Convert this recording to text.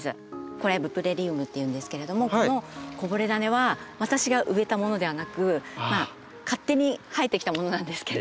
これはブプレリウムっていうんですけれどもこのこぼれダネは私が植えたものではなく勝手に生えてきたものなんですけれども。